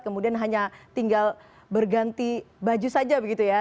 kemudian hanya tinggal berganti baju saja begitu ya